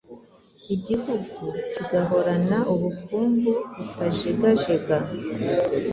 Igihugu kigahorana ubukungu butajegajega,